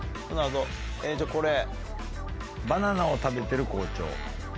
バナナを食べてる校長。